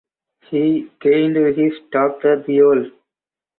He gained his Doctor Theol.